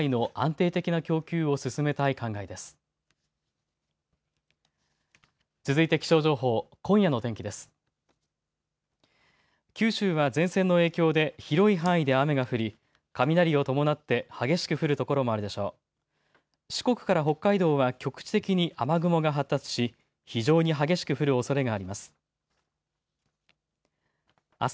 四国から北海道は局地的に雨雲が発達し非常に激しく降るおそれがあります。